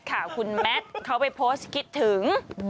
ค่ะคุณแมทเขาไปโพสต์คิดถึง